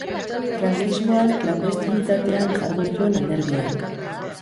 Frankismoan klandestinitatean jardun zuen alderdiak.